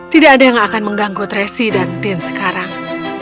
tidak ada yang akan mengganggu tracy dan tin sekarang